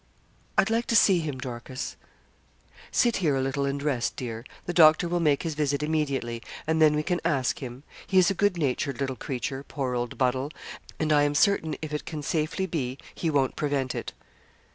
'I'd like to see him, Dorcas.' 'Sit here a little and rest, dear. The doctor will make his visit immediately, and then we can ask him. He's a good natured little creature poor old Buddle and I am certain if it can safely be, he won't prevent it.'